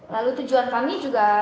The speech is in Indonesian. lalu tujuan kami juga